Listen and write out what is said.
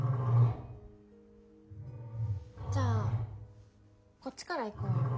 じゃあこっちから行こうよ。